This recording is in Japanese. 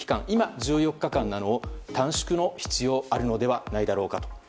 今、１４日間なのを短縮の必要があるのではないかと。